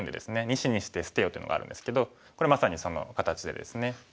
「二子にして捨てよ」というのがあるんですけどこれはまさにその形でですね。